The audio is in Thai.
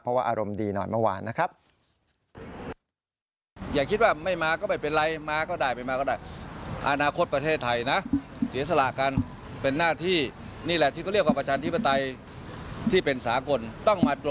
เพราะว่าอารมณ์ดีหน่อยเมื่อวานนะครับ